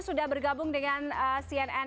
sudah bergabung dengan cnn